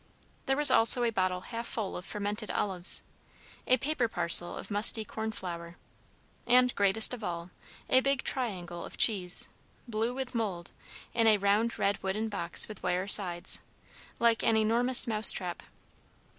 There was also a bottle half full of fermented olives, a paper parcel of musty corn flour, and, greatest of all, a big triangle of cheese, blue with mould, in a round red wooden box with wire sides, like an enormous mouse trap.